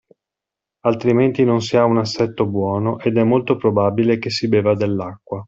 Altrimenti non si ha un assetto buono ed è molto probabile che si beva dell’acqua.